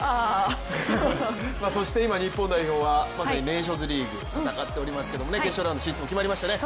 今、日本代表はまさにネーションズリーグ戦っておりますが決勝ラウンド進出も決まりましたね。